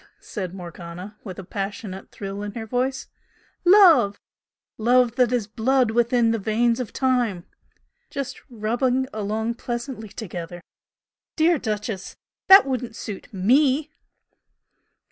said Morgana, with a passionate thrill in her voice "Love! 'Love that is blood within the veins of time!' Just 'rubbing along pleasantly together!' Dear 'Duchess,' that wouldn't suit ME!"